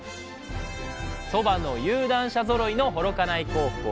そばの有段者ぞろいの幌加内高校。